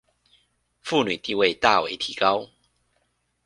婦女地位大為提高